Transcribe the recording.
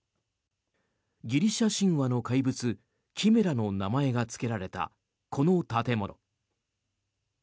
ギリシャ神話の怪物キメラの名前がつけられたこの建物。